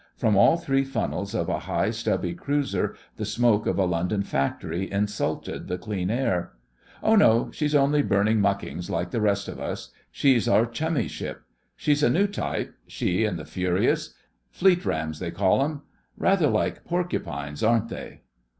From all three funnels of a high, stubby cruiser the smoke of a London factory insulted the clean air. 'Oh, no; she's only burning muckings like the rest of us. She's our "chummy" ship. She's a new type—she and the Furious. Fleet rams they call 'em. Rather like porcupines, aren't they?